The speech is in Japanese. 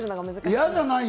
嫌じゃないよ。